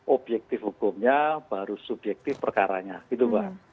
objektif hukumnya baru subjektif perkaranya gitu mbak